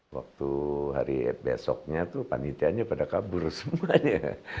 waktu hari besoknya tuh panitianya pada kabur semuanya